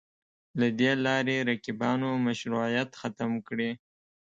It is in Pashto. له دې لارې رقیبانو مشروعیت ختم کړي